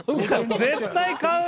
絶対買うよ！